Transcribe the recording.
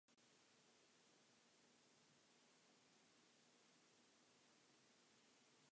Gillespie's father died when he was only ten years old.